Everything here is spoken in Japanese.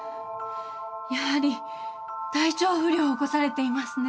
やはり体調不良を起こされていますね。